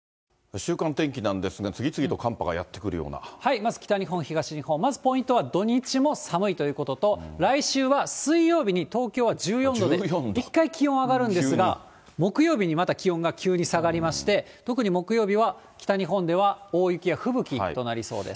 週間天気なんですが、まず北日本、東日本、まずポイントは土日も寒いということと、来週は水曜日に東京は１４度で、一回気温上がるんですが、木曜日にまた気温が急に下がりまして、特に木曜日は北日本では大雪や吹雪となりそうです。